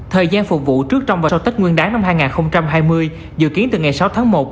thời gian phục vụ trước trong và sau tết nguyên đáng năm hai nghìn hai mươi dự kiến từ ngày sáu tháng một